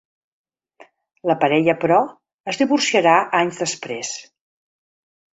La parella, però, es divorciarà anys després.